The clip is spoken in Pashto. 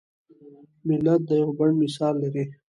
ملت د یوه بڼ مثال لري.